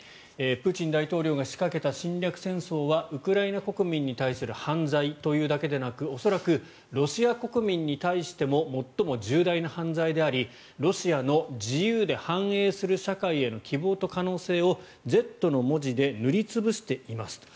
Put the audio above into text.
プーチン大統領が仕掛けた侵略戦争はウクライナ国民に対する犯罪というだけでなく恐らくロシア国民に対しても最も重大な犯罪でありロシアの自由で繁栄する社会への希望と可能性を「Ｚ」の文字で塗り潰していますと。